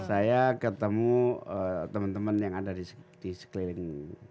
saya ketemu temen temen yang ada di sekeliling